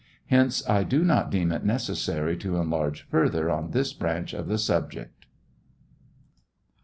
Hence, 1 do not deem it necessary to enlarge further on this branch of the subject.